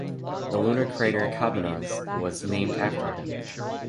The lunar crater Cabannes was named after him.